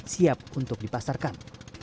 siap untuk dipasarkan